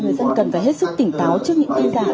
người dân cần phải hết sức tỉnh táo trước những tin giả